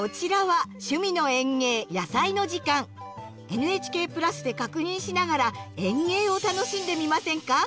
ＮＨＫ＋で確認しながら園芸を楽しんでみませんか？